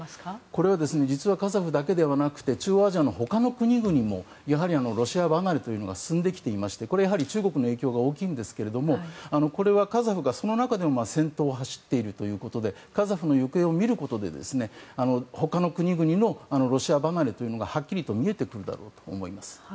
これは実はカザフだけではなくて中央アジアの他の国々もロシア離れというのが進んできていまして中国の影響が大きいんですけれどこれはカザフがその中でも先頭を走っているということでカザフの行方を見ることで他の国々のロシア離れというのがはっきり見えてくるだろうと思います。